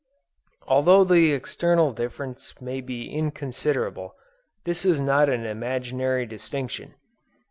"Although the external difference be inconsiderable, this is not an imaginary distinction.